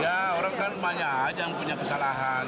ya orang kan banyak aja yang punya kesalahan